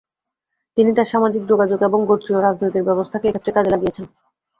তিনি তার সামাজিক যোগাযোগ এবং গোত্রীয় রাজনীতির ব্যবস্থাকে এক্ষেত্রে কাজে লাগিয়েছেন।